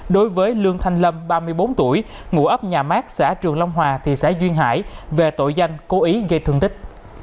đối với lương thanh lâm ba mươi bốn tuổi ngụ ấp nhà mát xã trường long hòa thị xã duyên hải về tội danh cố ý gây thương tích